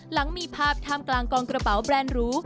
หลังมีภาพท่ามกลางกองกระเป๋าแบรนด์หรู